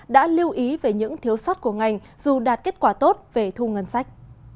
đã lưu ý về những thiếu sót của ngành dù đạt kết quả tốt về thu ngân sách